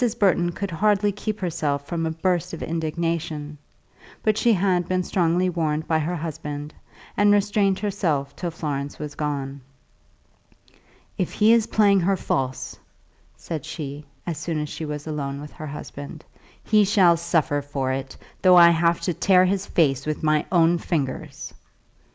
Burton could hardly keep herself from a burst of indignation; but she had been strongly warned by her husband, and restrained herself till Florence was gone. "If he is playing her false," said she, as soon as she was alone with her old husband, "he shall suffer for it, though I have to tear his face with my own fingers."